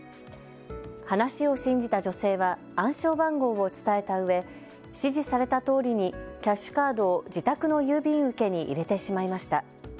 話を信じた女性は暗証番号を伝えたうえ、指示されたとおりにキャッシュカードを自宅の郵便受けに入れてしまいました。